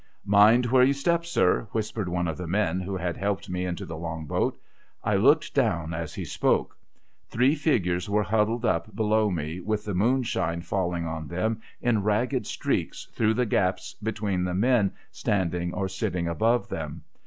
' Mind where you step, sir,' whispered one of the men who had helped me into the Long boat. I looked down as he spoke. Three figures were huddled up below me, with the moonshine falling on them in ragged streaks through the gaps between the men standing or sitting above them.